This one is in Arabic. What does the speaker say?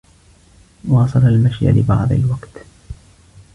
واصل المشي لبعض الوقت.